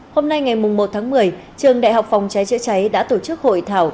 hôm nay ngày một tháng một mươi trường đại học phòng cháy chữa cháy đã tổ chức hội thảo